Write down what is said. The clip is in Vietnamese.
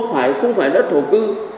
chứ không phải đất thổ cư